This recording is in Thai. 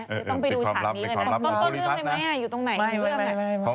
ต้องไปดูฉากนี้กันนะต้องตอนเรื่องไหมแม่อยู่ตรงไหนให้เริ่ม